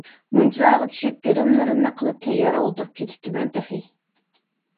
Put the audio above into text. مۇنچىلارغا چۈشۈپ، گىرىملىرىمنى قىلىپ تەييار ئولتۇرۇپ كېتىپتىمەن تېخى.